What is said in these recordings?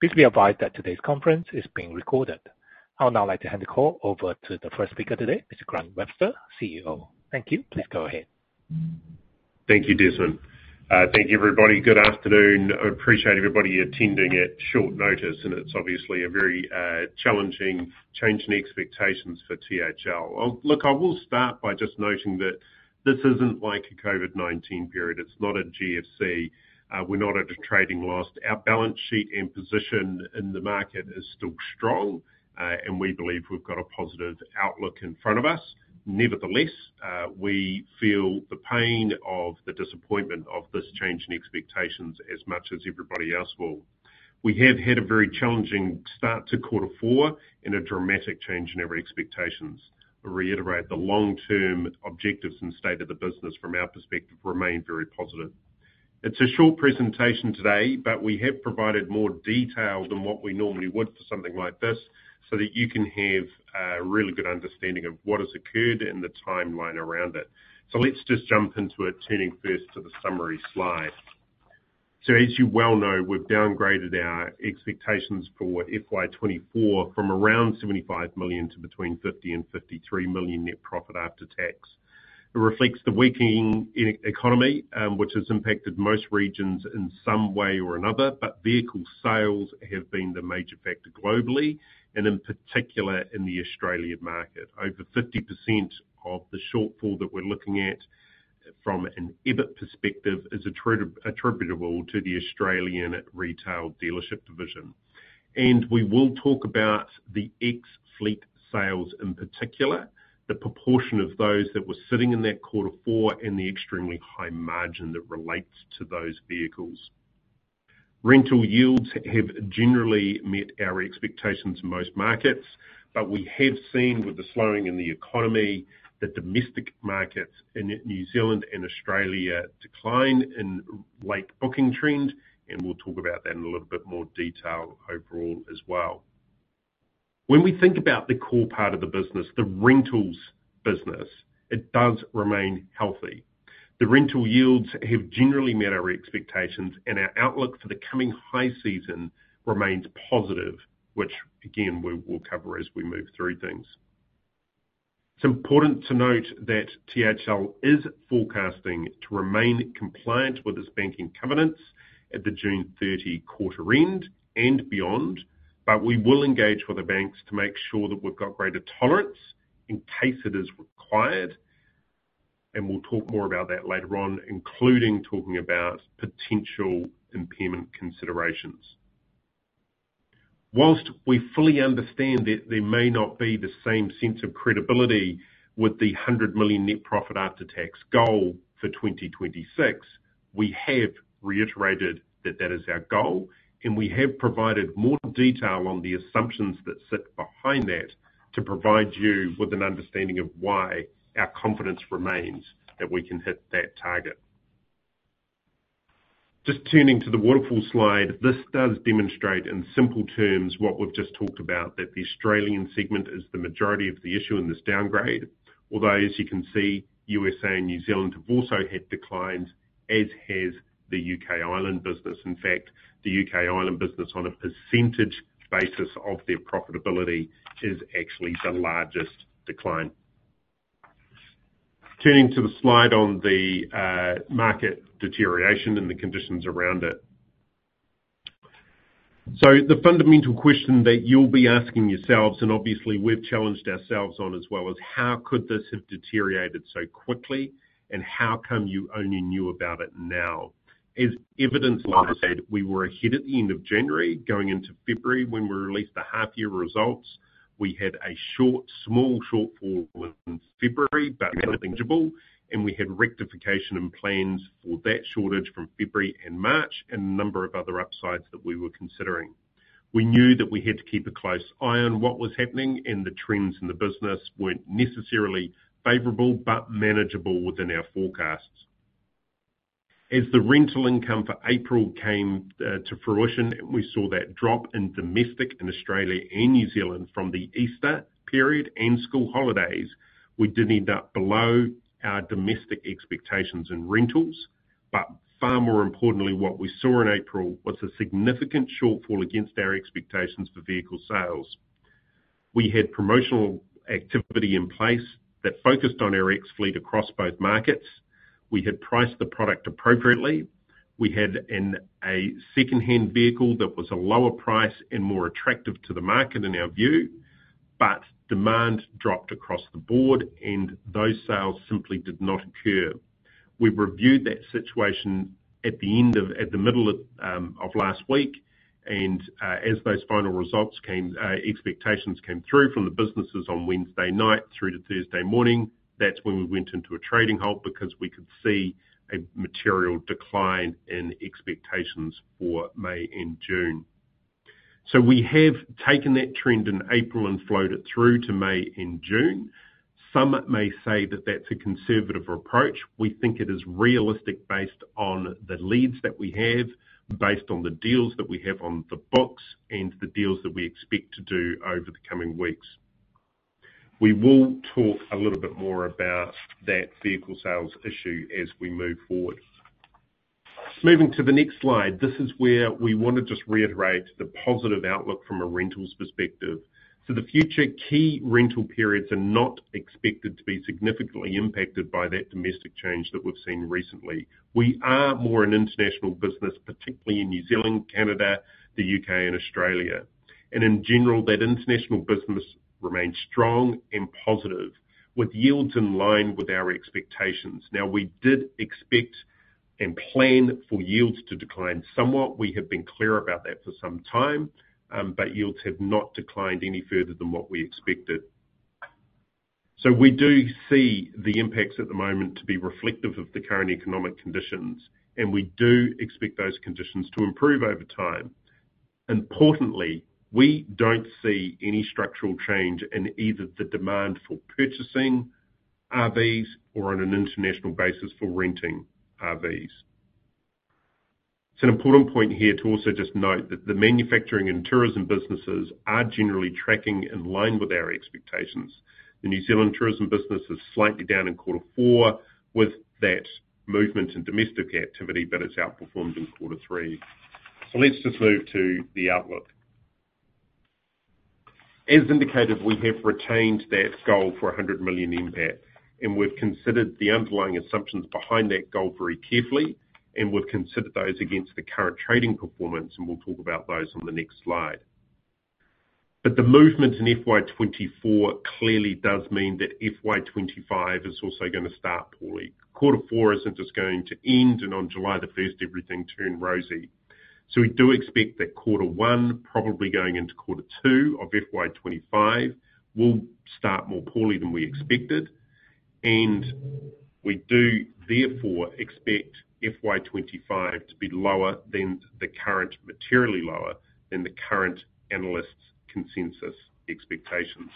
Please be advised that today's conference is being recorded. I would now like to hand the call over to the first speaker today, Mr. Grant Webster, CEO. Thank you. Please go ahead. Thank you, Desmond. Thank you, everybody. Good afternoon. I appreciate everybody attending at short notice, and it's obviously a very challenging change in expectations for THL. Well, look, I will start by just noting that this isn't like a COVID-19 period. It's not a GFC. We're not at a trading loss. Our balance sheet and position in the market is still strong, and we believe we've got a positive outlook in front of us. Nevertheless, we feel the pain of the disappointment of this change in expectations as much as everybody else will. We have had a very challenging start to quarter four and a dramatic change in our expectations. I reiterate the long-term objectives and state of the business from our perspective remain very positive. It's a short presentation today, but we have provided more detail than what we normally would for something like this, so that you can have a really good understanding of what has occurred and the timeline around it. So let's just jump into it, turning first to the summary slide. So as you well know, we've downgraded our expectations for FY 2024 from around 75 million to between 50 million and 53 million net profit after tax. It reflects the weakening in the economy, which has impacted most regions in some way or another, but vehicle sales have been the major factor globally and in particular in the Australian market. Over 50% of the shortfall that we're looking at from an EBIT perspective is attributable to the Australian Retail Dealership division. We will talk about the ex-fleet sales, in particular, the proportion of those that were sitting in that quarter four and the extremely high margin that relates to those vehicles. Rental yields have generally met our expectations in most markets, but we have seen, with the slowing in the economy, the domestic markets in New Zealand and Australia decline in late booking trend, and we'll talk about that in a little bit more detail overall as well. When we think about the core part of the business, the rentals business, it does remain healthy. The rental yields have generally met our expectations, and our outlook for the coming high season remains positive, which again, we will cover as we move through things. It's important to note that THL is forecasting to remain compliant with its banking covenants at the June 30 quarter end and beyond. But we will engage with the banks to make sure that we've got greater tolerance in case it is required, and we'll talk more about that later on, including talking about potential impairment considerations. While we fully understand that there may not be the same sense of credibility with the 100 million net profit after tax goal for 2026, we have reiterated that that is our goal, and we have provided more detail on the assumptions that sit behind that, to provide you with an understanding of why our confidence remains that we can hit that target. Just turning to the waterfall slide. This does demonstrate, in simple terms, what we've just talked about, that the Australian segment is the majority of the issue in this downgrade. Although, as you can see, U.S.A. and New Zealand have also had declines, as has the U.K./Ireland business. In fact, the U.K./Ireland business, on a percentage basis of their profitability, is actually the largest decline. Turning to the slide on the market deterioration and the conditions around it. So the fundamental question that you'll be asking yourselves, and obviously we've challenged ourselves on as well, is: How could this have deteriorated so quickly, and how come you only knew about it now? As evidenced, like I said, we were ahead at the end of January. Going into February, when we released the half year results, we had a short, small shortfall in February, but manageable, and we had rectification and plans for that shortage from February and March and a number of other upsides that we were considering. We knew that we had to keep a close eye on what was happening, and the trends in the business weren't necessarily favorable but manageable within our forecasts. As the rental income for April came to fruition, and we saw that drop in domestic and Australia and New Zealand from the Easter period and school holidays, we did end up below our domestic expectations in rentals. But far more importantly, what we saw in April was a significant shortfall against our expectations for vehicle sales. We had promotional activity in place that focused on our ex-fleet across both markets. We had priced the product appropriately. We had a secondhand vehicle that was a lower price and more attractive to the market, in our view, but demand dropped across the board and those sales simply did not occur. We've reviewed that situation at the middle of last week, and as those final results came, expectations came through from the businesses on Wednesday night through to Thursday morning. That's when we went into a trading halt, because we could see a material decline in expectations for May and June. So we have taken that trend in April and flowed it through to May and June. Some may say that that's a conservative approach. We think it is realistic based on the leads that we have, based on the deals that we have on the books, and the deals that we expect to do over the coming weeks. We will talk a little bit more about that vehicle sales issue as we move forward. Moving to the next slide, this is where we want to just reiterate the positive outlook from a rentals perspective. For the future, key rental periods are not expected to be significantly impacted by that domestic change that we've seen recently. We are more an international business, particularly in New Zealand, Canada, the U.K., and Australia. In general, that international business remains strong and positive, with yields in line with our expectations. Now, we did expect and plan for yields to decline somewhat. We have been clear about that for some time, but yields have not declined any further than what we expected. So we do see the impacts at the moment to be reflective of the current economic conditions, and we do expect those conditions to improve over time. Importantly, we don't see any structural change in either the demand for purchasing RVs or on an international basis for renting RVs. It's an important point here to also just note that the manufacturing and tourism businesses are generally tracking in line with our expectations. The New Zealand tourism business is slightly down in quarter four with that movement in domestic activity, but it's outperformed in quarter three. So let's just move to the outlook. As indicated, we have retained that goal for 100 million NPAT, and we've considered the underlying assumptions behind that goal very carefully, and we've considered those against the current trading performance, and we'll talk about those on the next slide. But the movement in FY 2024 clearly does mean that FY 2025 is also gonna start poorly. Quarter four isn't just going to end, and on July 1, everything turned rosy. So we do expect that quarter one, probably going into quarter two of FY 2025, will start more poorly than we expected, and we do therefore expect FY 2025 to be lower than the current, materially lower than the current analysts' consensus expectations.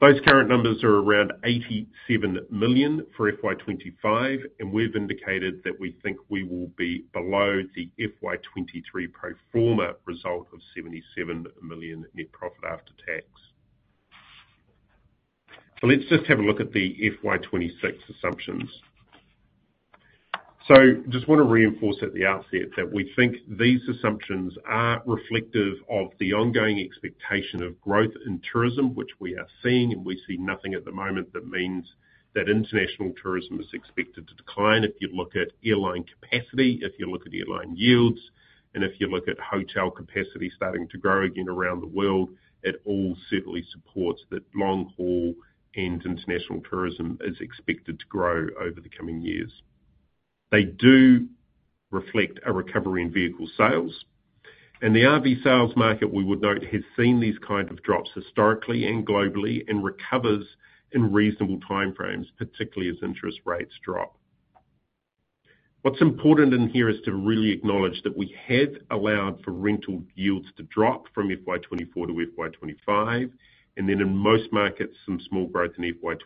Those current numbers are around 87 million for FY 2025, and we've indicated that we think we will be below the FY 2023 pro forma result of 77 million net profit after tax. So let's just have a look at the FY 2026 assumptions. So just want to reinforce at the outset that we think these assumptions are reflective of the ongoing expectation of growth in tourism, which we are seeing, and we see nothing at the moment that means that international tourism is expected to decline. If you look at airline capacity, if you look at airline yields, and if you look at hotel capacity starting to grow again around the world, it all certainly supports that long-haul and international tourism is expected to grow over the coming years. They do reflect a recovery in vehicle sales, and the RV sales market, we would note, has seen these kind of drops historically and globally and recovers in reasonable time frames, particularly as interest rates drop. What's important in here is to really acknowledge that we have allowed for rental yields to drop from FY 2024 to FY 2025, and then in most markets, some small growth in FY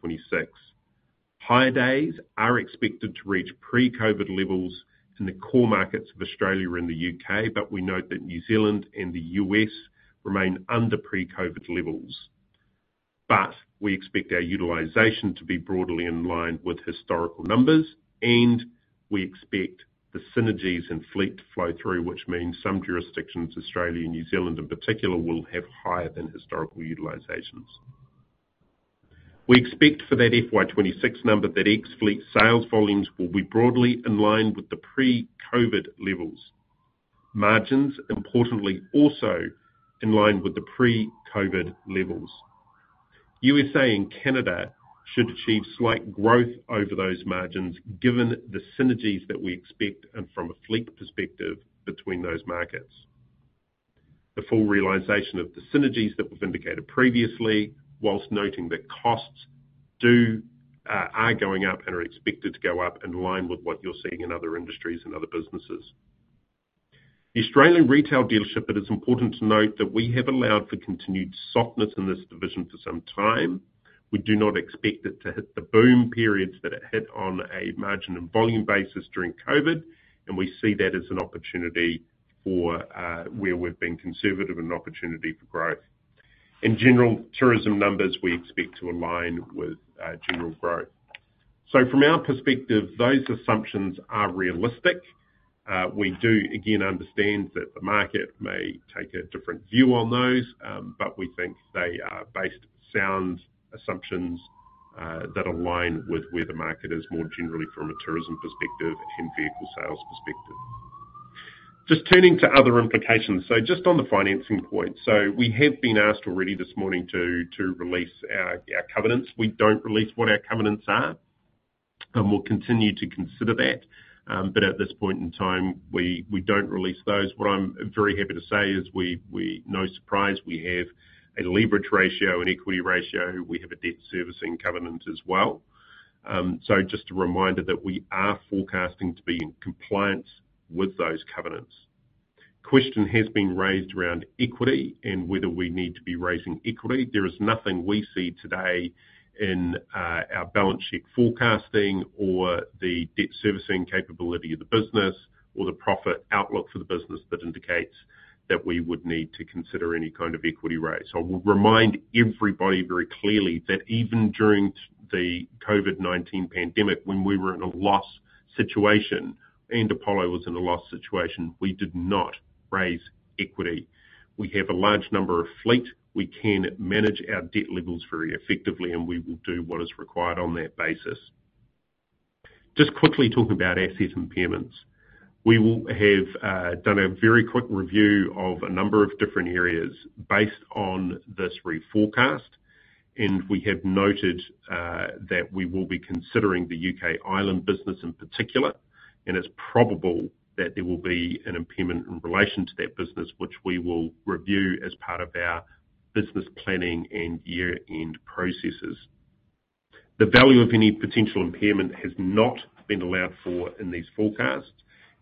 2026. Hire days are expected to reach pre-COVID levels in the core markets of Australia and the U.K., but we note that New Zealand and the U.S. remain under pre-COVID levels. But we expect our utilization to be broadly in line with historical numbers, and we expect the synergies in fleet to flow through, which means some jurisdictions, Australia and New Zealand in particular, will have higher than historical utilizations. We expect for that FY 2026 number, that ex-fleet sales volumes will be broadly in line with the pre-COVID levels. Margins, importantly, also in line with the pre-COVID levels. U.S.A. and Canada should achieve slight growth over those margins, given the synergies that we expect and from a fleet perspective between those markets. The full realization of the synergies that we've indicated previously, whilst noting that costs do, are going up and are expected to go up in line with what you're seeing in other industries and other businesses. The Australian retail dealership, it is important to note that we have allowed for continued softness in this division for some time. We do not expect it to hit the boom periods that it hit on a margin and volume basis during COVID, and we see that as an opportunity for where we've been conservative and an opportunity for growth. In general, tourism numbers we expect to align with general growth. So from our perspective, those assumptions are realistic. We do again understand that the market may take a different view on those, but we think they are based on sound assumptions that align with where the market is more generally from a tourism perspective and vehicle sales perspective. Just turning to other implications. So just on the financing point. So we have been asked already this morning to release our covenants. We don't release what our covenants are, and we'll continue to consider that, but at this point in time, we don't release those. What I'm very happy to say is we, no surprise, we have a leverage ratio and equity ratio. We have a debt servicing covenant as well. So just a reminder that we are forecasting to be in compliance with those covenants. Question has been raised around equity and whether we need to be raising equity. There is nothing we see today in our balance sheet forecasting or the debt servicing capability of the business or the profit outlook for the business that indicates that we would need to consider any kind of equity raise. I will remind everybody very clearly, that even during the COVID-19 pandemic, when we were in a loss situation, and Apollo was in a loss situation, we did not raise equity. We have a large number of fleet. We can manage our debt levels very effectively, and we will do what is required on that basis. Just quickly talk about asset impairments. We will have done a very quick review of a number of different areas based on this reforecast, and we have noted that we will be considering the U.K and Ireland business in particular, and it's probable that there will be an impairment in relation to that business, which we will review as part of our business planning and year-end processes. The value of any potential impairment has not been allowed for in these forecasts,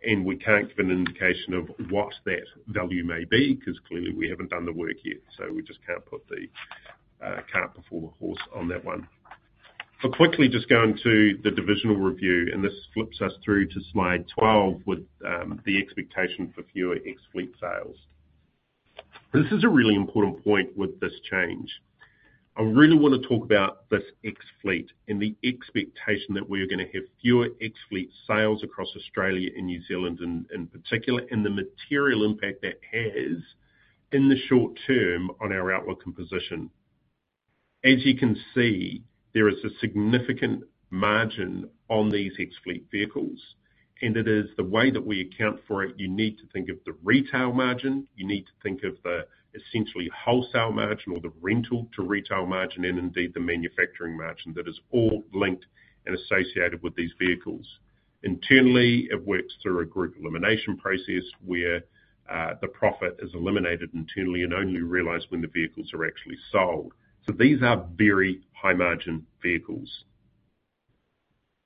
and we can't give an indication of what that value may be, because clearly we haven't done the work yet, so we just can't put the cart before the horse on that one. So quickly, just going to the divisional review, and this flips us through to slide twelve, with the expectation for fewer ex-fleet sales. This is a really important point with this change. I really want to talk about this ex-fleet and the expectation that we are gonna have fewer ex-fleet sales across Australia and New Zealand in particular, and the material impact that has in the short term on our outlook and position. As you can see, there is a significant margin on these ex-fleet vehicles, and it is the way that we account for it. You need to think of the retail margin. You need to think of the essentially wholesale margin or the rental-to-retail margin and indeed the manufacturing margin that is all linked and associated with these vehicles. Internally, it works through a group elimination process, where the profit is eliminated internally and only realized when the vehicles are actually sold. So these are very high-margin vehicles.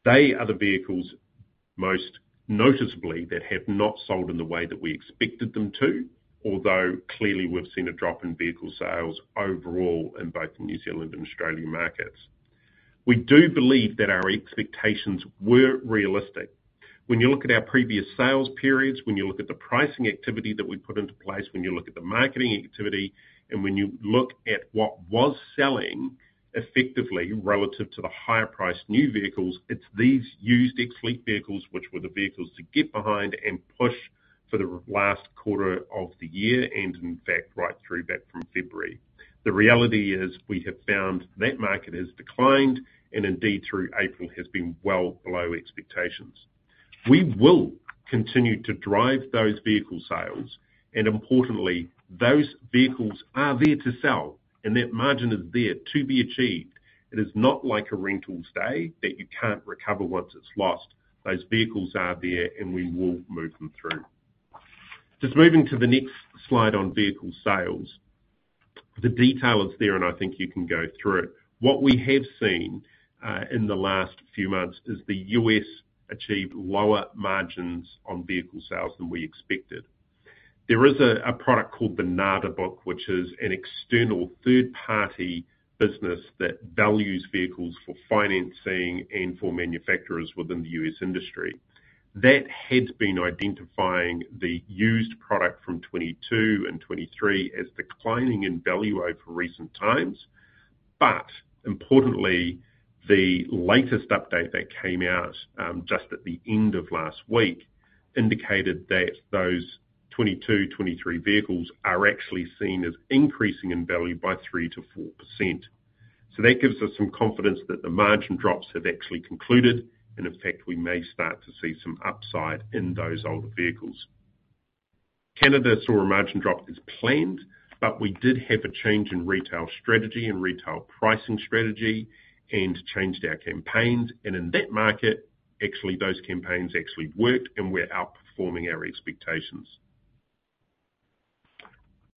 They are the vehicles, most noticeably, that have not sold in the way that we expected them to, although clearly we've seen a drop in vehicle sales overall in both the New Zealand and Australian markets. We do believe that our expectations were realistic. When you look at our previous sales periods, when you look at the pricing activity that we put into place, when you look at the marketing activity, and when you look at what was selling effectively relative to the higher priced new vehicles, it's these used ex-fleet vehicles which were the vehicles to get behind and push for the last quarter of the year and in fact, right through back from February. The reality is, we have found that market has declined and indeed through April, has been well below expectations. We will continue to drive those vehicle sales, and importantly, those vehicles are there to sell and that margin is there to be achieved. It is not like a rental stay that you can't recover once it's lost. Those vehicles are there, and we will move them through. Just moving to the next slide on vehicle sales. The detail is there, and I think you can go through it. What we have seen in the last few months is the U.S. achieved lower margins on vehicle sales than we expected. There is a product called the NADA Book, which is an external third party business that values vehicles for financing and for manufacturers within the U.S. industry. That had been identifying the used product from 2022 and 2023 as declining in value over recent times. But importantly, the latest update that came out just at the end of last week indicated that those 2022, 2023 vehicles are actually seen as increasing in value by 3%-4%. So that gives us some confidence that the margin drops have actually concluded, and in fact, we may start to see some upside in those older vehicles. Canada saw a margin drop as planned, but we did have a change in retail strategy and retail pricing strategy and changed our campaigns. And in that market, actually, those campaigns actually worked, and we're outperforming our expectations.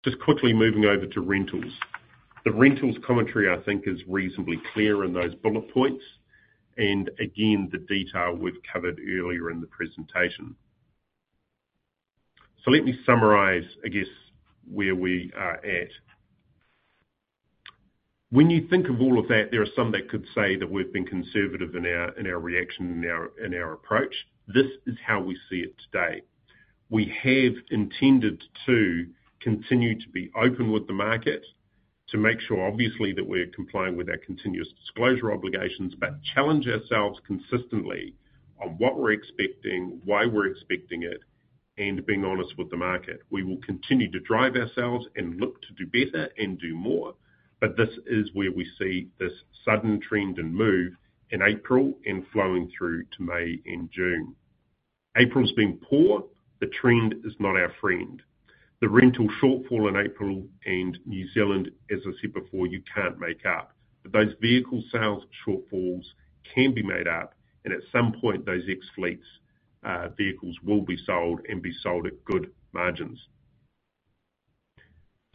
Just quickly moving over to rentals. The rentals commentary, I think, is reasonably clear in those bullet points, and again, the detail we've covered earlier in the presentation. So let me summarize, I guess, where we are at. When you think of all of that, there are some that could say that we've been conservative in our reaction and our approach. This is how we see it today. We have intended to continue to be open with the market, to make sure obviously that we're complying with our continuous disclosure obligations, but challenge ourselves consistently on what we're expecting, why we're expecting it, and being honest with the market. We will continue to drive ourselves and look to do better and do more, but this is where we see this sudden trend and move in April and flowing through to May and June. April's been poor. The trend is not our friend. The rental shortfall in April and New Zealand, as I said before, you can't make up. But those vehicle sales shortfalls can be made up, and at some point, those ex-fleets vehicles will be sold and be sold at good margins.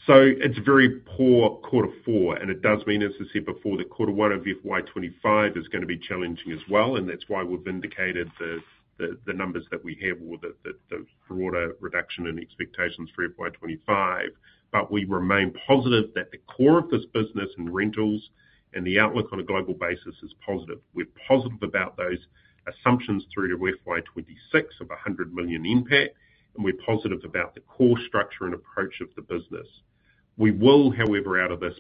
So it's a very poor quarter four, and it does mean, as I said before, that quarter one of FY 2025 is gonna be challenging as well, and that's why we've indicated the numbers that we have or the broader reduction in expectations for FY 2025. But we remain positive that the core of this business and rentals, and the outlook on a global basis is positive. We're positive about those assumptions through to FY 2026 of 100 million NPAT, and we're positive about the core structure and approach of the business. We will, however, out of this,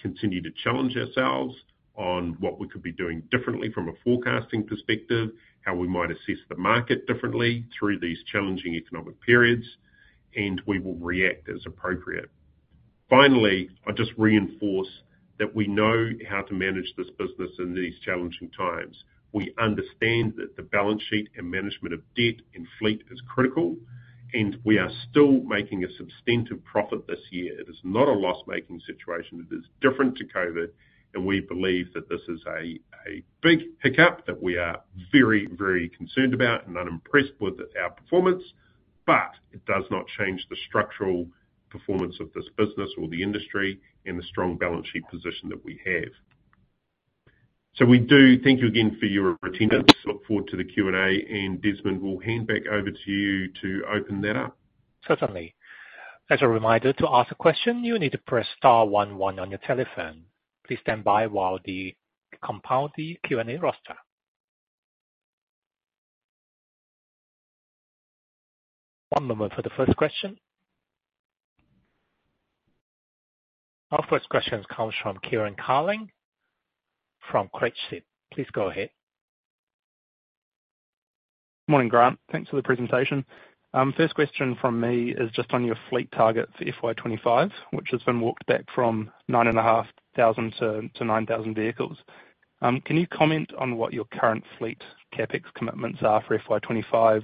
continue to challenge ourselves on what we could be doing differently from a forecasting perspective, how we might assess the market differently through these challenging economic periods, and we will react as appropriate. Finally, I'll just reinforce that we know how to manage this business in these challenging times. We understand that the balance sheet and management of debt and fleet is critical, and we are still making a substantive profit this year. It is not a loss-making situation. It is different to COVID, and we believe that this is a, a big hiccup that we are very, very concerned about and unimpressed with our performance. But it does not change the structural performance of this business or the industry and the strong balance sheet position that we have. So we do thank you again for your attendance. Look forward to the Q&A, and Desmond, we'll hand back over to you to open that up. Certainly. As a reminder, to ask a question, you need to press star one one on your telephone. Please stand by while we compile the Q&A roster. One moment for the first question. Our first question comes from Kieran Carling from Craigs Investment Partners. Please go ahead. Morning, Grant. Thanks for the presentation. First question from me is just on your fleet target for FY 2025, which has been walked back from 9,500 to 9,000 vehicles. Can you comment on what your current fleet CapEx commitments are for FY 2025,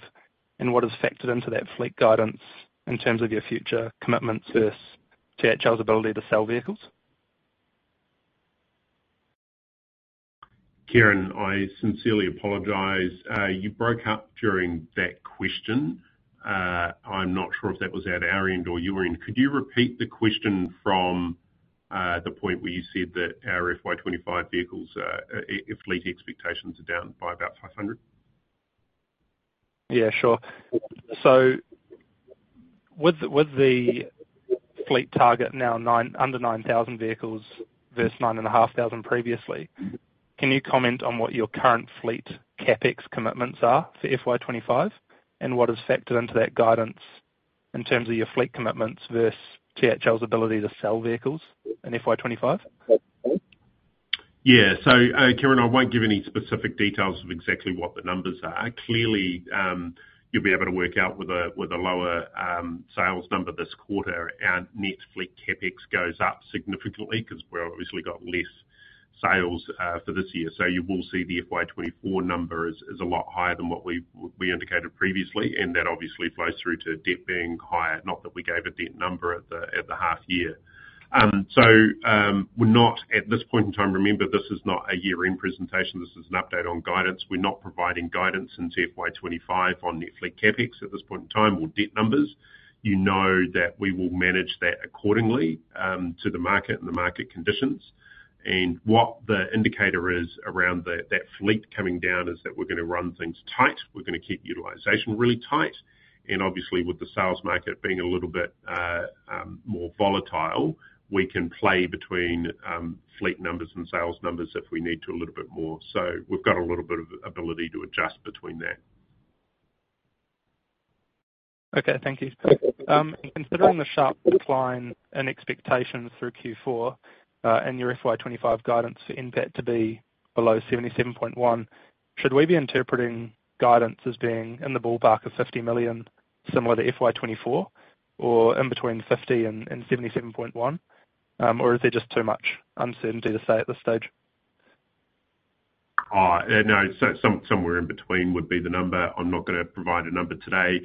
and what is factored into that fleet guidance in terms of your future commitment to THL's ability to sell vehicles? Kieran, I sincerely apologize. You broke up during that question. I'm not sure if that was at our end or your end. Could you repeat the question from the point where you said that our FY 2025 vehicles fleet expectations are down by about 500? Yeah, sure. So with the fleet target now under 9,000 vehicles versus 9,500 previously, can you comment on what your current fleet CapEx commitments are for FY 2025, and what is factored into that guidance in terms of your fleet commitments versus THL's ability to sell vehicles in FY 2025? Yeah. So, Kieran, I won't give any specific details of exactly what the numbers are. Clearly, you'll be able to work out with a lower sales number this quarter, our net fleet CapEx goes up significantly because we've obviously got less sales for this year. So you will see the FY 2024 number is a lot higher than what we indicated previously, and that obviously flows through to debt being higher, not that we gave a debt number at the half year. So, we're not, at this point in time, remember, this is not a year-end presentation. This is an update on guidance. We're not providing guidance into FY 2025 on net fleet CapEx at this point in time or debt numbers. You know that we will manage that accordingly to the market and the market conditions. And what the indicator is around that fleet coming down is that we're gonna run things tight. We're gonna keep utilization really tight, and obviously, with the sales market being a little bit more volatile, we can play between fleet numbers and sales numbers if we need to a little bit more. So we've got a little bit of ability to adjust between that. Okay. Thank you. Considering the sharp decline in expectations through Q4, and your FY 2025 guidance for NPAT to be below 77.1 million, should we be interpreting guidance as being in the ballpark of 50 million, similar to FY 2024, or in between 50 million and 77.1 million? Or is there just too much uncertainty to say at this stage? No. So somewhere in between would be the number. I'm not gonna provide a number today.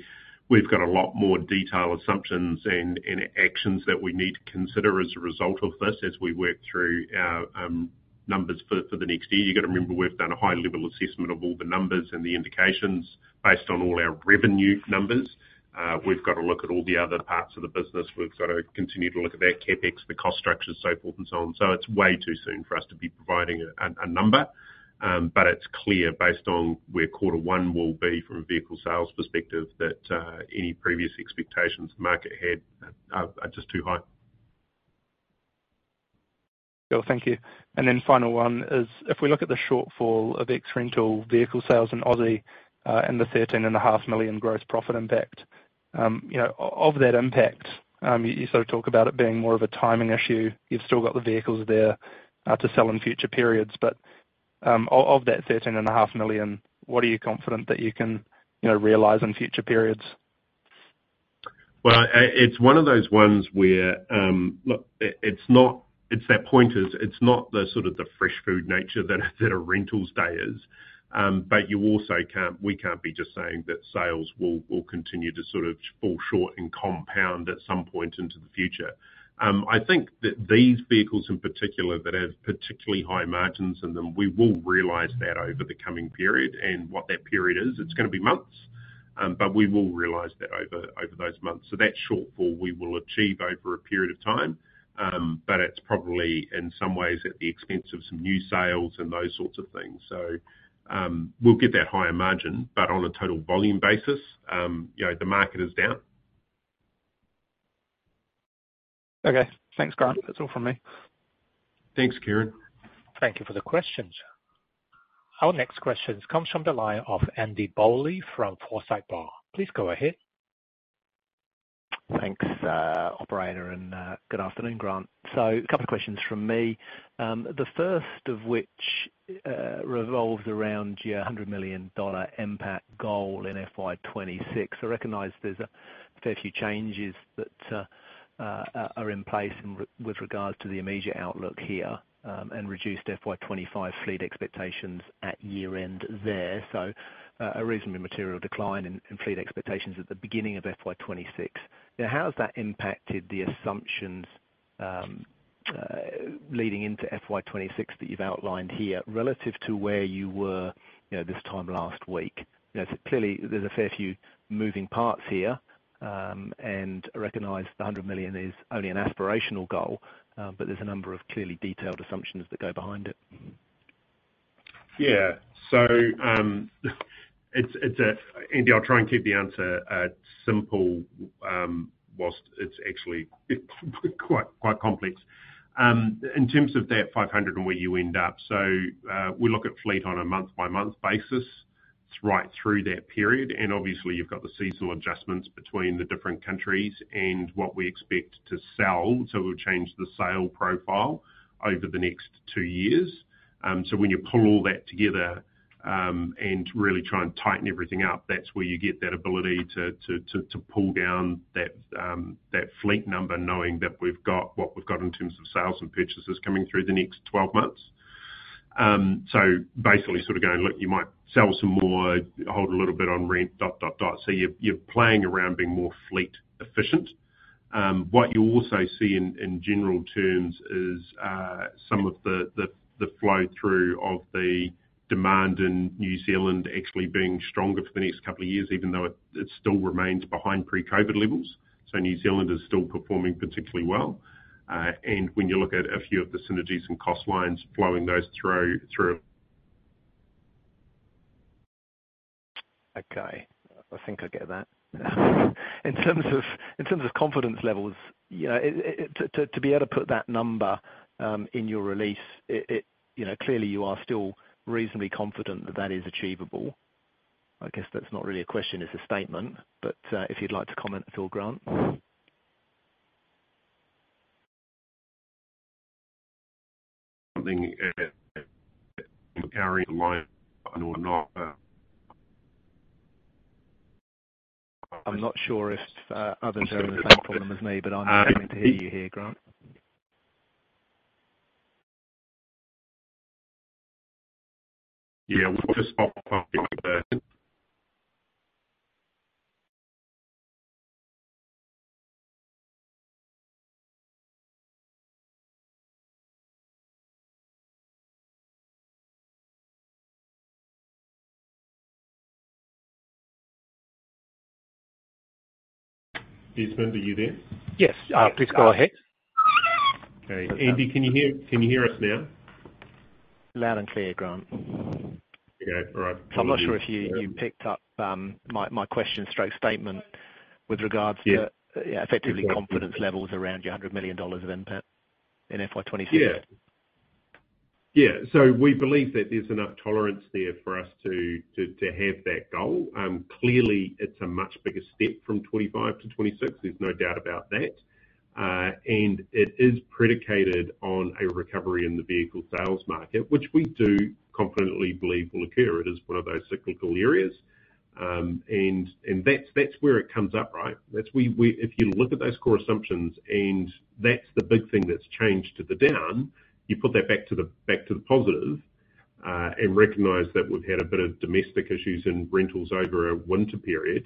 We've got a lot more detailed assumptions and actions that we need to consider as a result of this as we work through our numbers for the next year. You've got to remember, we've done a high level assessment of all the numbers and the indications based on all our revenue numbers. We've got to look at all the other parts of the business. We've got to continue to look at our CapEx, the cost structure, so forth and so on. So it's way too soon for us to be providing a number. But it's clear, based on where quarter one will be from a vehicle sales perspective, that any previous expectations the market had are just too high. Cool. Thank you. And then final one is, if we look at the shortfall of ex-rental vehicle sales in Aussie, and the 13.5 million gross profit impact, you know, of that impact, you sort of talk about it being more of a timing issue. You've still got the vehicles there, to sell in future periods. But, of that 13.5 million, what are you confident that you can, you know, realize in future periods? Well, it's one of those ones where. Look, it's not it's that point is, it's not the sort of the fresh food nature that a rentals day is. But you also can't we can't be just saying that sales will continue to sort of fall short and compound at some point into the future. I think that these vehicles in particular, that have particularly high margins in them, we will realize that over the coming period. And what that period is, it's gonna be months, but we will realize that over those months. So that shortfall we will achieve over a period of time. but it's probably in some ways at the expense of some new sales and those sorts of things. We'll get that higher margin, but on a total volume basis, you know, the market is down. Okay. Thanks, Grant. That's all from me. Thanks, Kieran. Thank you for the questions. Our next question comes from the line of Andy Bowley from Forsyth Barr. Please go ahead. Thanks, operator, and good afternoon, Grant. So a couple of questions from me. The first of which revolves around your 100 million dollar NPAT goal in FY 2026. I recognize there's a fair few changes that are in place and with regards to the immediate outlook here, and reduced FY 2025 fleet expectations at year-end there. So, a reasonably material decline in fleet expectations at the beginning of FY 2026. Now, how has that impacted the assumptions leading into FY 2026 that you've outlined here, relative to where you were, you know, this time last week? You know, clearly, there's a fair few moving parts here, and I recognize the 100 million is only an aspirational goal, but there's a number of clearly detailed assumptions that go behind it. Yeah. So, it's, Andy, I'll try and keep the answer simple, while it's actually a bit quite complex. In terms of that 500 and where you end up, so, we look at fleet on a month-by-month basis. It's right through that period, and obviously you've got the seasonal adjustments between the different countries and what we expect to sell. So we'll change the sale profile over the next two years. So when you pull all that together, and really try and tighten everything up, that's where you get that ability to pull down that fleet number, knowing that we've got what we've got in terms of sales and purchases coming through the next 12 months. So basically sort of going, "Look, you might sell some more, hold a little bit on rent. So you're playing around being more fleet efficient. What you'll also see in general terms is some of the flow-through of the demand in New Zealand actually being stronger for the next couple of years, even though it still remains behind pre-COVID levels. So New Zealand is still performing particularly well. And when you look at a few of the synergies and cost lines flowing those through. Okay, I think I get that. In terms of confidence levels, you know, it to be able to put that number in your release, it. You know, clearly, you are still reasonably confident that that is achievable. I guess that's not really a question, it's a statement, but if you'd like to comment at all, Grant? Something, carrying line or not... I'm not sure if other journalists are having the same problem as me, but I'm struggling to hear you here, Grant. Yeah, we'll just hop on there. Desmond, are you there? Yes, please go ahead. Hey, Andy, can you hear, can you hear us now? Loud and clear, Grant. Okay, all right. I'm not sure if you picked up my question/statement with regards to- Yeah. effectively confidence levels around your 100 million dollars of NPAT in FY 2026. Yeah. Yeah, so we believe that there's enough tolerance there for us to have that goal. Clearly, it's a much bigger step from 2025 to 2026, there's no doubt about that. And it is predicated on a recovery in the vehicle sales market, which we do confidently believe will occur. It is one of those cyclical areas. And that's where it comes up, right? If you look at those core assumptions, and that's the big thing that's changed to the down, you put that back to the positive, and recognize that we've had a bit of domestic issues and rentals over a winter period.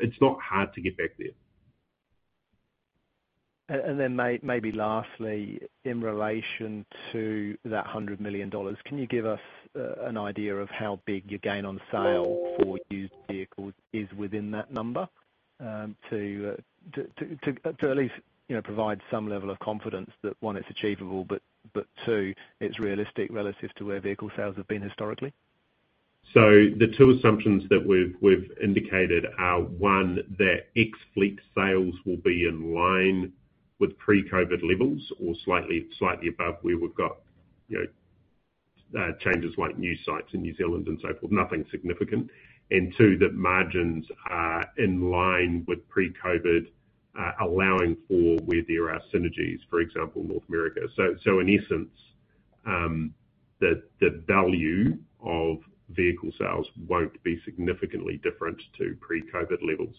It's not hard to get back there. And then maybe lastly, in relation to that 100 million dollars, can you give us an idea of how big your gain on sale for used vehicles is within that number? To at least, you know, provide some level of confidence that, one, it's achievable, but two, it's realistic relative to where vehicle sales have been historically. So the two assumptions that we've indicated are, one, that ex-fleet sales will be in line with pre-COVID levels or slightly above where we've got, you know, changes like new sites in New Zealand and so forth, nothing significant. And two, that margins are in line with pre-COVID, allowing for where there are synergies, for example, North America. So in essence, the value of vehicle sales won't be significantly different to pre-COVID levels.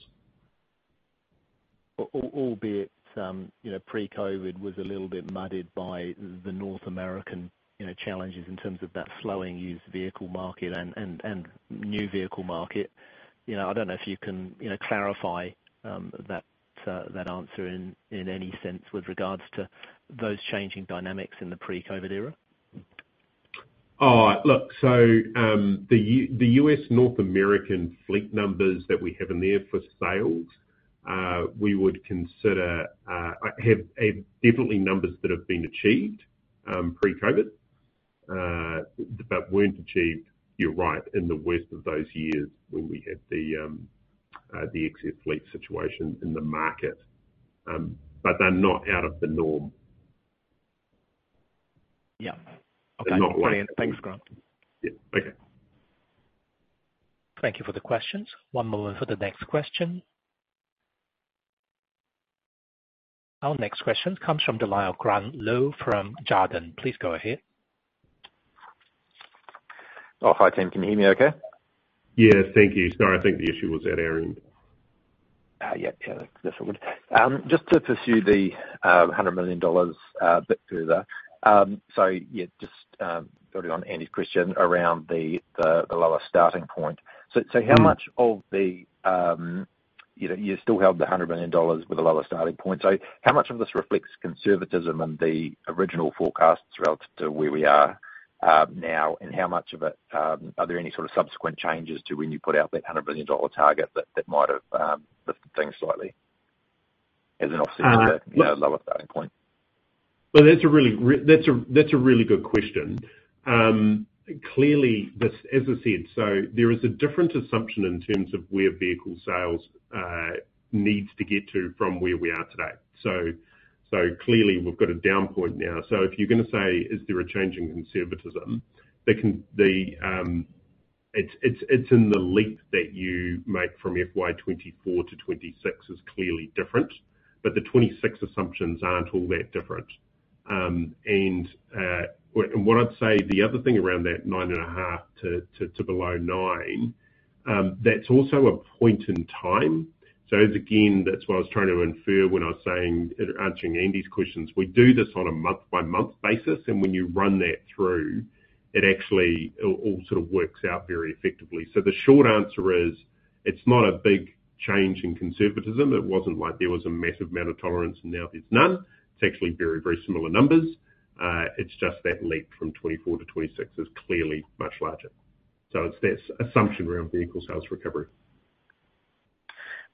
Albeit, you know, pre-COVID was a little bit muddied by the North American, you know, challenges in terms of that slowing used vehicle market and new vehicle market. You know, I don't know if you can, you know, clarify that answer in any sense with regards to those changing dynamics in the pre-COVID era? Oh, look, so, the U.S. North American fleet numbers that we have in there for sales, we would consider have a definitely numbers that have been achieved pre-COVID, but weren't achieved, you're right, in the worst of those years when we had the ex-fleet situation in the market. But they're not out of the norm. Yeah. Okay. They're not like- Thanks, Grant. Yeah. Okay. Thank you for the questions. One moment for the next question. Our next question comes from the line of Grant Lowe from Jarden. Please go ahead. Oh, hi, team. Can you hear me okay? Yes, thank you. Sorry, I think the issue was at our end. Yeah, yeah, that's all good. Just to pursue the 100 million dollars bit further. So yeah, just building on Andy's question around the lower starting point. Mm-hmm. So, how much of the, you know, you still held the 100 million dollars with a lower starting point. So how much of this reflects conservatism and the original forecasts relative to where we are, now? And how much of it, are there any sort of subsequent changes to when you put out that 100 million dollar target that, that might have lifted things slightly as an offset to the- Uh, yes lower starting point? Well, that's a really good question. Clearly, as I said, there is a different assumption in terms of where vehicle sales needs to get to from where we are today. Clearly, we've got a down point now. So if you're gonna say, is there a change in conservatism? It's in the leap that you make from FY 2024 to FY 2026 is clearly different. But the 2026 assumptions aren't all that different. And what I'd say, the other thing around that nine and a half to below nine, that's also a point in time. So again, that's what I was trying to infer when I was saying, answering Andy's questions. We do this on a month-by-month basis, and when you run that through, it actually, it all sort of works out very effectively. So the short answer is, it's not a big change in conservatism. It wasn't like there was a massive amount of tolerance, and now there's none. It's actually very, very similar numbers. It's just that leap from 2024 to 2026 is clearly much larger. So it's this assumption around vehicle sales recovery.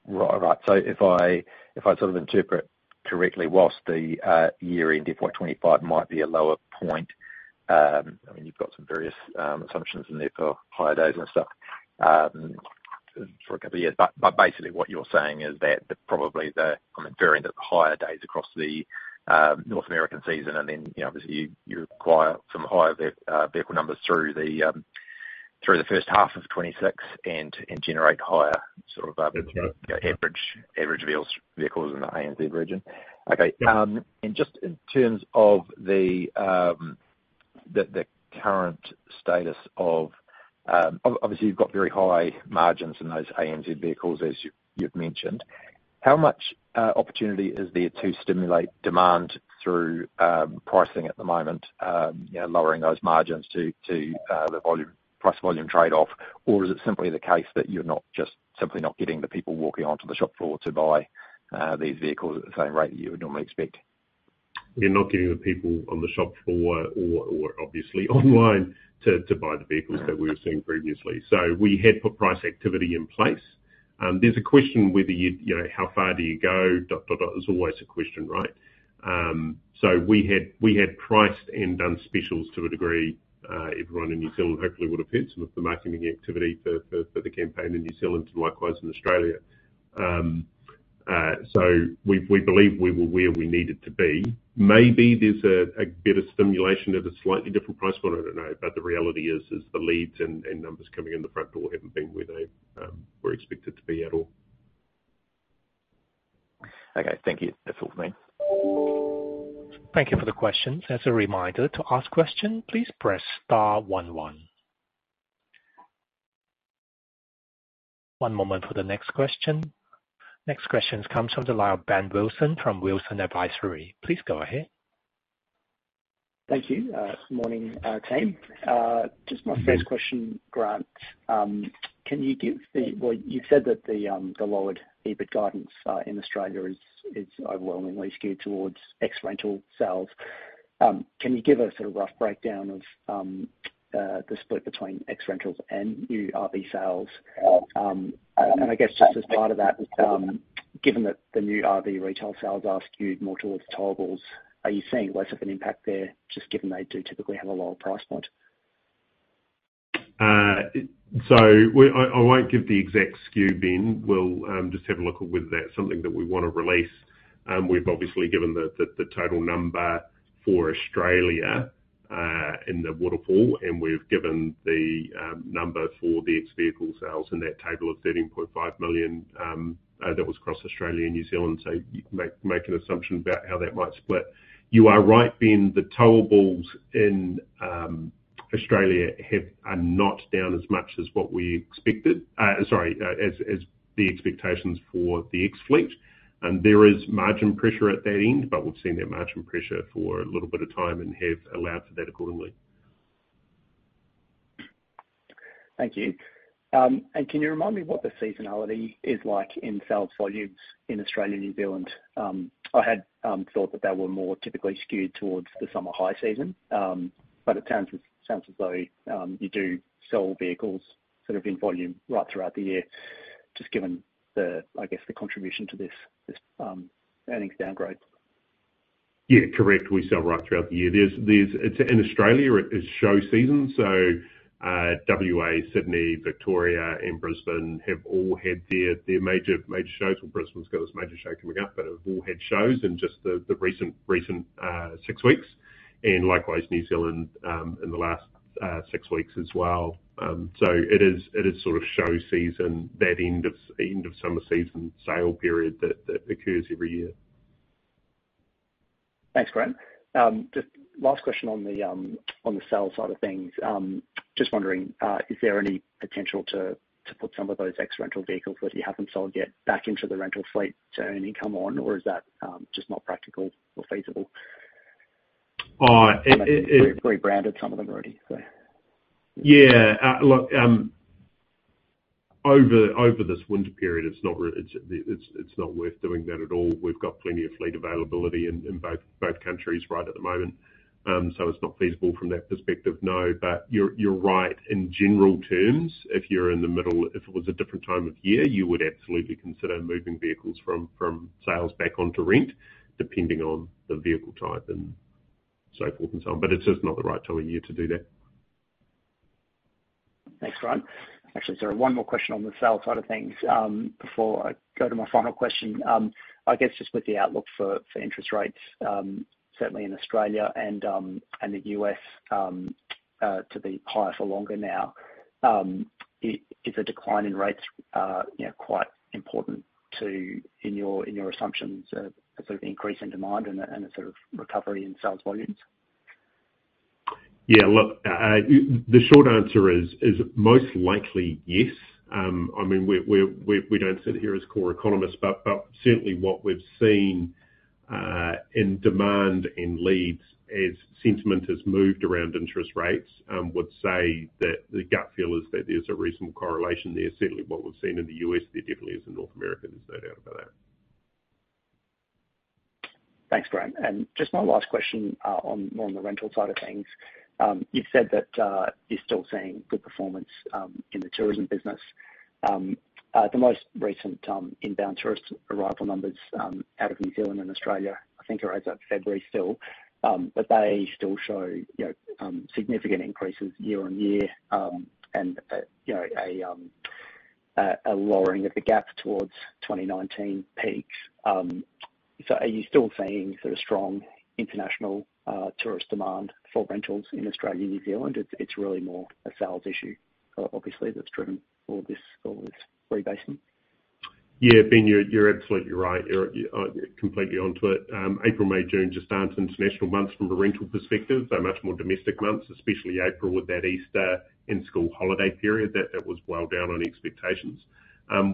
Right. Right. So if I, if I sort of interpret correctly, whilst the year-end in 2025 might be a lower point, I mean, you've got some various assumptions in there for higher days and stuff for a couple years. But basically what you're saying is that probably the, on the very end of the higher days across the North American season, and then, you know, obviously you require some higher vehicle numbers through the first half of 2026 and generate higher sort of, That's right average, average vehicles, vehicles in the ANZ region. Yeah. Okay, and just in terms of the current status of, obviously, you've got very high margins in those ANZ vehicles, as you've mentioned. How much opportunity is there to stimulate demand through pricing at the moment? You know, lowering those margins to the volume, price volume trade-off. Or is it simply the case that you're not, just simply not getting the people walking onto the shop floor to buy these vehicles at the same rate you would normally expect? We're not getting the people on the shop floor or obviously online to buy the vehicles, that we were seeing previously. So we had put price activity in place. There's a question whether you, you know, how far do you go? There's always a question, right? So we had priced and done specials to a degree. Everyone in New Zealand hopefully would have heard some of the marketing activity for the campaign in New Zealand, and likewise in Australia. So we believe we were where we needed to be. Maybe there's a bit of stimulation at a slightly different price point, I don't know. But the reality is the leads and numbers coming in the front door haven't been where they were expected to be at all. Okay, thank you. That's all for me. Thank you for the questions. As a reminder, to ask a question, please press star one one. One moment for the next question. Next question comes from the line of Ben Wilson from Wilsons Advisory. Please go ahead. Thank you. Good morning team Just my first question, Grant. Well, you said that the lowered EBIT guidance in Australia is overwhelmingly skewed towards ex-rental sales. Can you give a sort of rough breakdown of the split between ex-rentals and new RV sales? And I guess just as part of that, given that the new RV retail sales are skewed more towards towables, are you seeing less of an impact there, just given they do typically have a lower price point? I won't give the exact skew, Ben. We'll just have a look at whether that's something that we want to release. We've obviously given the total number for Australia in the waterfall, and we've given the number for the ex-fleet sales in that table of 13.5 million that was across Australia and New Zealand. So you can make an assumption about how that might split. You are right, Ben, the towables in Australia are not down as much as what we expected. Sorry, as the expectations for the ex-fleet, and there is margin pressure at that end, but we've seen that margin pressure for a little bit of time and have allowed for that accordingly. Thank you. And can you remind me what the seasonality is like in sales volumes in Australia, New Zealand? I had thought that they were more typically skewed towards the summer high season, but it sounds, it sounds as though you do sell vehicles sort of in volume right throughout the year, just given the, I guess, the contribution to this, this earnings downgrade. Yeah, correct. We sell right throughout the year. There's, It's in Australia, it's show season, so WA, Sydney, Victoria and Brisbane have all had their major shows. Well, Brisbane's got its major show coming up, but have all had shows in just the recent six weeks, and likewise, New Zealand, in the last six weeks as well. So it is sort of show season, that end of summer season sale period that occurs every year. Thanks, Grant. Just last question on the, on the sales side of things. Just wondering, is there any potential to, to put some of those ex-fleet vehicles that you haven't sold yet back into the rental fleet to earn income on, or is that just not practical or feasible? Uh, it, it- Rebranded some of them already, so. Yeah. Look, over this winter period, it's not worth doing that at all. We've got plenty of fleet availability in both countries right at the moment. So it's not feasible from that perspective, no, but you're right. In general terms, if you're in the middle. If it was a different time of year, you would absolutely consider moving vehicles from sales back onto rent, depending on the vehicle type and so forth and so on. But it's just not the right time of year to do that. Thanks, Grant. Actually, is there one more question on the sales side of things before I go to my final question? I guess just with the outlook for interest rates certainly in Australia and the U.S. to be higher for longer now. Is a decline in rates you know quite important to your assumptions as an increase in demand and a sort of recovery in sales volumes? Yeah, look, the short answer is most likely yes. I mean, we don't sit here as core economists, but certainly what we've seen in demand and leads as sentiment has moved around interest rates would say that the gut feel is that there's a reasonable correlation there. Certainly what we've seen in the U.S., there definitely is in North America, there's no doubt about that. Thanks, Grant, and just my last question on the rental side of things. You've said that you're still seeing good performance in the tourism business. The most recent inbound tourist arrival numbers out of New Zealand and Australia, I think, are as at February still. But they still show, you know, significant increases year-over-year, and you know, a lowering of the gap towards 2019 peaks. So are you still seeing sort of strong international tourist demand for rentals in Australia and New Zealand? It's really more a sales issue, obviously, that's driven all this, all this rebasing. Yeah, Ben, you're absolutely right. You're completely onto it. April, May, June just aren't international months from a rental perspective. They're much more domestic months, especially April, with that Easter and school holiday period that was well down on expectations.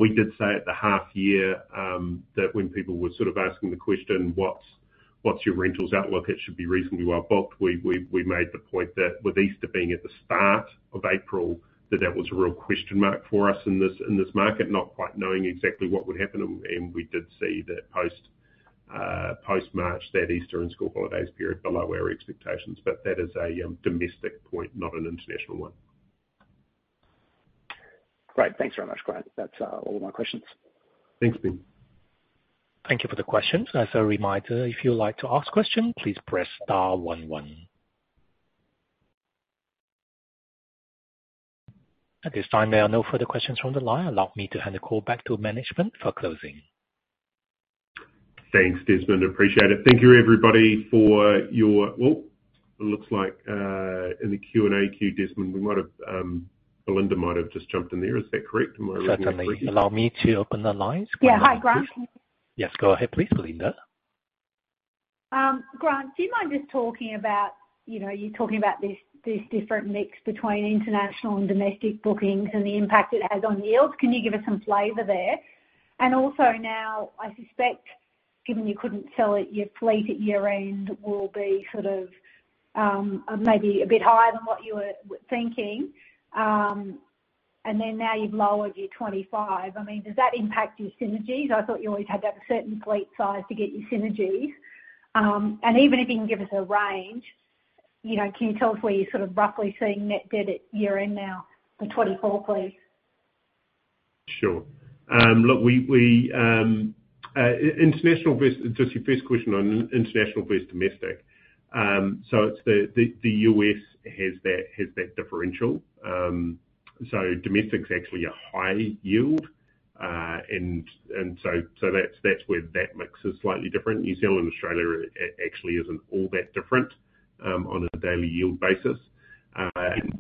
We did say at the half year that when people were sort of asking the question: what's your rentals outlook? It should be reasonably well booked. We made the point that with Easter being at the start of April, that was a real question mark for us in this market, not quite knowing exactly what would happen, and we did see that post-March, that Easter and school holidays period below our expectations. But that is a domestic point, not an international one. Great. Thanks very much, Grant. That's all my questions. Thanks, Ben. Thank you for the questions. As a reminder, if you'd like to ask question, please press star one one. At this time, there are no further questions from the line. Allow me to hand the call back to management for closing. Thanks, Desmond. Appreciate it. Thank you, everybody, for your. Well, it looks like in the Q&A queue, Desmond, we might have Belinda might have just jumped in there. Is that correct? Am I reading that correctly? Certainly. Allow me to open the lines. Yeah. Hi, Grant. Yes, go ahead, please, Belinda. Grant, do you mind just talking about, you know, you're talking about this, this different mix between international and domestic bookings and the impact it has on yields. Can you give us some flavor there? And also, now, I suspect, given you couldn't sell it, your fleet at year-end will be sort of, maybe a bit higher than what you were thinking. And then now you've lowered your 2025. I mean, does that impact your synergies? I thought you always had to have a certain fleet size to get your synergies. And even if you can give us a range, you know, can you tell us where you're sort of roughly seeing net debt at year-end now for 2024, please? Sure. Look, we, we international versus... Just your first question on international versus domestic. So it's the U.S. has that differential. So domestic's actually a high yield, and that's where that mix is slightly different. New Zealand, Australia actually isn't all that different on a daily yield basis.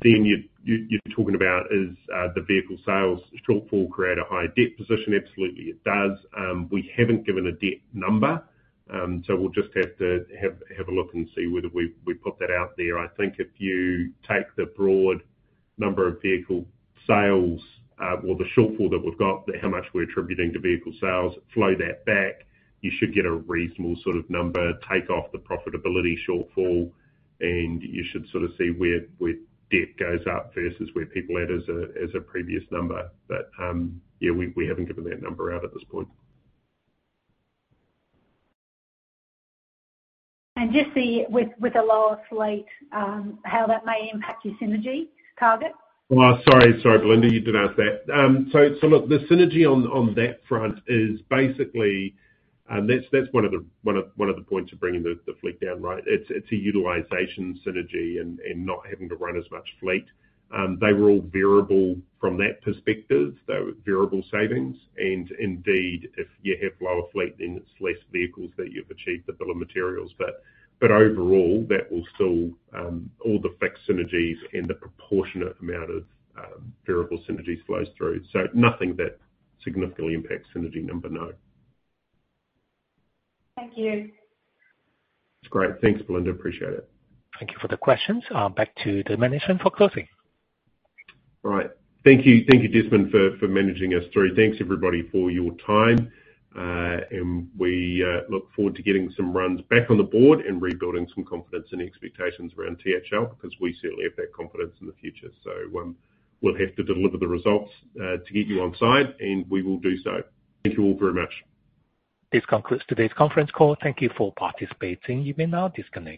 Then you're talking about is the vehicle sales shortfall create a high debt position? Absolutely, it does. We haven't given a debt number, so we'll just have to have a look and see whether we put that out there. I think if you take the broad number of vehicle sales, or the shortfall that we've got, how much we're attributing to vehicle sales, flow that back, you should get a reasonable sort of number, take off the profitability shortfall, and you should sort of see where debt goes up versus where people at as a previous number. But, we haven't given that number out at this point. With a lower fleet, how that may impact your synergy target? Well, sorry. Sorry, Belinda, you did ask that. So look, the synergy on that front is basically, and that's one of the points of bringing the fleet down, right? It's a utilization synergy and not having to run as much fleet. They were all variable from that perspective, they were variable savings, and indeed, if you have lower fleet, then it's less vehicles that you've achieved the bill of materials. But overall, that will still all the fixed synergies and the proportionate amount of variable synergies flows through. So nothing that significantly impacts synergy number, no. Thank you. That's great. Thanks, Belinda, appreciate it. Thank you for the questions. Back to the management for closing. All right. Thank you, thank you, Desmond, for managing us through. Thanks, everybody, for your time, and we look forward to getting some runs back on the board and rebuilding some confidence and expectations around THL, because we certainly have that confidence in the future. So, we'll have to deliver the results to get you on side, and we will do so. Thank you all very much. This concludes today's conference call. Thank you for participating. You may now disconnect.